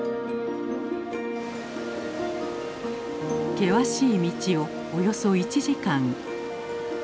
険しい道をおよそ１時間。